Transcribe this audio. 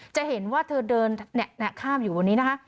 จะเห็นว่าเธอเดินข้ามอยู่บนนี้นะคะ